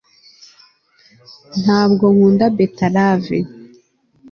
ntabwo nkunda beterave